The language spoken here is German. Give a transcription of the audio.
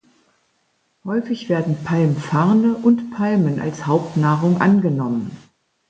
Häufig werden Palmfarne und Palmen als Hauptnahrung angenommen.